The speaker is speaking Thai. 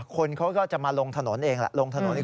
คนเขาก็จะมาลงถนนเอง